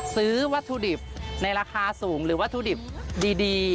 ซื้อวัตถุดิบในราคาสูงหรือวัตถุดิบดี